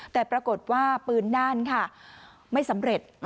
แต่ปรากฏว่าปืนน่านค่ะไม่สำเร็จ